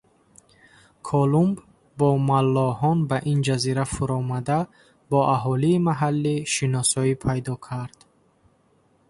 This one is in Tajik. Колумб бо маллоҳон ба ин ҷазира фуромада, бо аҳолии маҳаллӣ шиносоӣ пайдо кард.